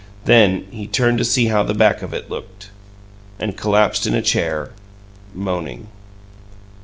Then he turned to see how the back of it looked. And collapsed in a chair, moaning.